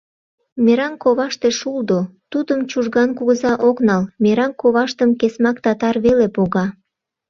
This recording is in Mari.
Мераҥ коваште шулдо, тудым Чужган кугыза ок нал, мераҥ коваштым Кесмак татар веле пога.